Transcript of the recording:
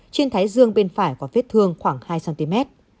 trên thái dương bên phải có vết thương khoảng hai cm